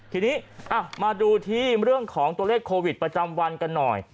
ทีนี้มาดูที่เรื่องของตัวเลขโควิดประจำวันกันหน่อย